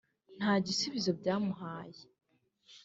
nta gisubizo byamuhaye